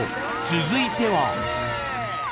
［続いては］